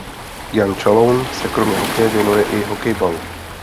Jan Čaloun se kromě hokeje věnuje i hokejbalu.